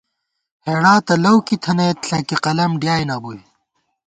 ہېڑا تہ لؤ کِی تھنَئیت، ݪَکی قلم ڈیائے نہ بُوئی